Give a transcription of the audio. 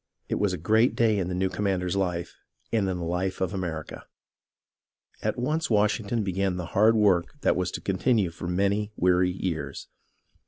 It was a great day in the new commander's hfe and in the life of America. At once Washington began the hard work that was to continue for many weary years.